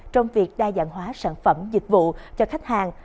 trong việc đa dạng hóa sản phẩm dịch vụ cho khách hàng